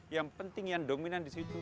yang penting yang dominan disitu